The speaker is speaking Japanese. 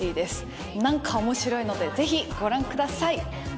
何かオモシロいのでぜひご覧ください！